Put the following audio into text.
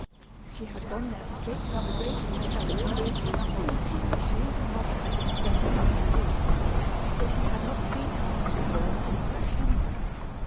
She had gone there straight from the great hotel in the mountains, where she and her mother had been spending a few weeks; so she had not seen Houghtonsville since September.